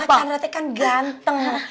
pak chandra kan ganteng